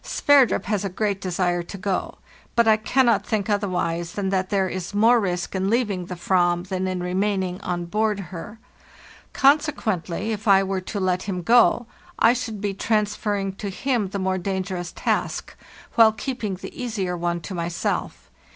Sverdrup has a great desire to go; but I cannot think otherwise than that there is more risk in leaving the Aram than in remaining on board her. Consequently if I were to let him go, I should be transferring to him the more dangerous task, while keeping the easier one to myself.